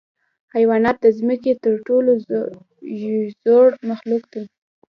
حیوانات د ځمکې تر ټولو زوړ مخلوق دی.